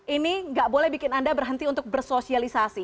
ini nggak boleh bikin anda berhenti untuk bersosialisasi